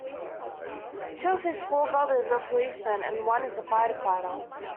Two of his four brothers are policemen and one is a firefighter.